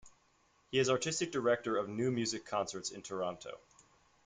He is Artistic Director of New Music Concerts in Toronto.